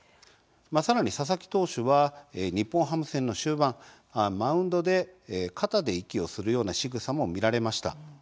さらに佐々木投手は日本ハム戦の終盤、マウンドで肩で息をするようなしぐさも見られました。